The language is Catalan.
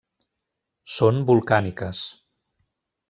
Són volcàniques.